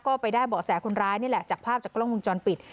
ก็ไปได้เบาะแสคนร้ายนี่แหละจากภาพจากกล้องวงจรปิด